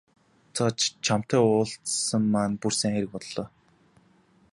За чамтай уулзсан маань бүр сайн хэрэг боллоо.